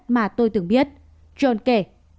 mà tôi từng biết john kể